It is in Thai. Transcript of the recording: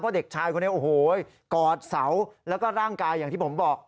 เพราะเด็กชายคนนี้กอดเสาแล้วก็ร่างกายอย่างที่ผมบอก